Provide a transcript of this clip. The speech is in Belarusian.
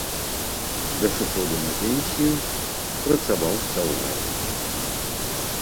Да сыходу на пенсію працаваў у саўгасе.